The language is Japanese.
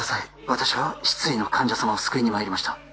私は失意の患者様を救いにまいりました